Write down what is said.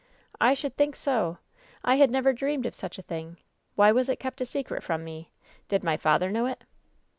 "I should think so ! I had never dreamed of such a thing! Why was it kept a secret from me? Did piy father know it